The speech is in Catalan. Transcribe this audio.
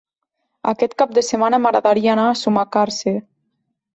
Aquest cap de setmana m'agradaria anar a Sumacàrcer.